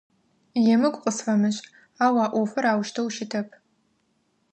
Емыкӏу къысфэмышӏ, ау а ӏофыр аущтэу щытэп.